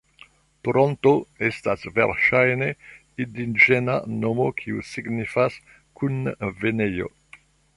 Toronto estas verŝajne indiĝena nomo kiu signifas "Kunvenejo".